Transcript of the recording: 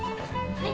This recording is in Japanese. はい。